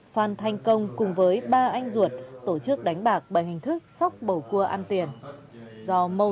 phan thanh công cùng với ba anh ruột tổ chức đánh bạc bằng hình thức sóc bầu cua ăn tiền